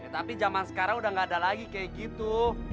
tapi zaman sekarang udah gak ada lagi kayak gitu